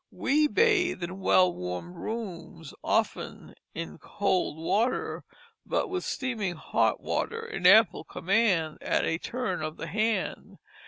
We bathe in well warmed rooms, often in cold water, but with steaming hot water in ample command at a turn of the hand.